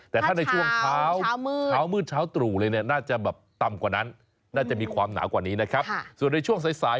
แต่ถ้าในช่วงเช้าเช้ามืดเช้าตรู่เลยเนี่ยน่าจะแบบต่ำกว่านั้นน่าจะมีความหนาวกว่านี้นะครับส่วนในช่วงสาย